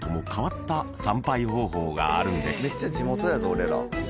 めっちゃ地元やぞ俺ら。